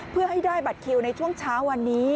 เพื่อให้ได้บัตรคิวในช่วงเช้าวันนี้